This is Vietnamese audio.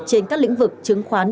trên các lĩnh vực chứng khoán